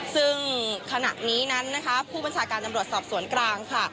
ซึ่งขณะนี้นั้นนะคะผู้บัญชาการตำรวจสอบสวนกลางค่ะ